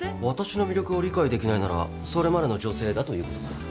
私の魅力を理解できないならそれまでの女性だということだ。